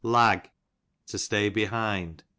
Lag, to stay behind. 8w.